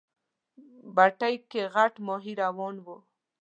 بتۍ کې غټ ماهی روان و.